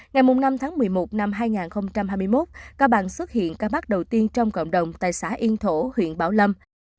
ngày năm tháng một mươi một năm hai nghìn hai mươi một cao bằng xuất hiện ca mắc đầu tiên trong cộng đồng tại xã yên thổ huyện bảo lâm